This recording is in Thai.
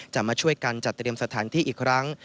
มาช่วยกันจัดเตรียมสถานที่อีกครั้ง